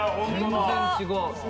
全然違う。